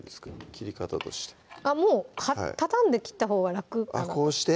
切り方としてもう畳んで切ったほうが楽あっこうして？